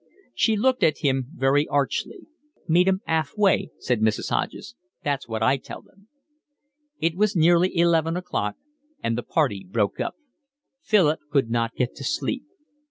She looked at him very archly. "Meet 'em 'alf way," said Mrs. Hodges. "That's what I tell him." It was nearly eleven o'clock, and the party broke up. Philip could not get to sleep.